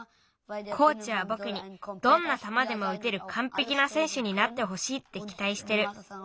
コーチはぼくにどんなたまでもうてるかんぺきなせんしゅになってほしいってきたいしてる。